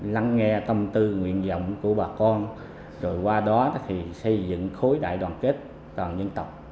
lắng nghe tâm tư nguyện vọng của bà con rồi qua đó thì xây dựng khối đại đoàn kết toàn dân tộc